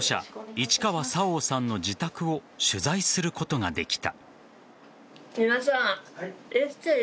市川沙央さんの自宅を取材することができた。